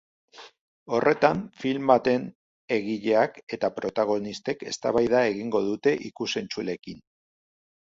Horretan, film baten egileak eta protagonistek eztabaida egingo dute ikus-entzuleekin.